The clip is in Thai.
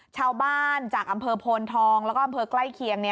ชาวบ้านจากอำเภอโพนทองแล้วก็อำเภอใกล้เคียง